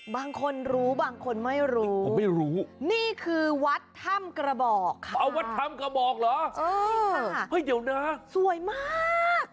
บางคนรู้บางคนไม่รู้ผมไม่รู้นี่คือวัดถ้ำกระบอกค่ะเอาวัดถ้ำกระบอกเหรอเฮ้ยเดี๋ยวนะสวยมาก